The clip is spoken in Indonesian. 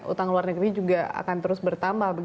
utang luar negeri juga akan terus bertambah